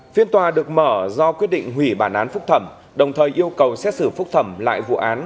phiên tòa được mở do quyết định hủy bản án phúc thẩm đồng thời yêu cầu xét xử phúc thẩm lại vụ án